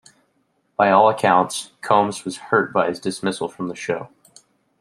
By all accounts, Combs was hurt by his dismissal from the show.